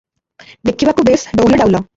ଦେଖିବାକୁ ବେଶ ଡଉଲ ଡାଉଲ ।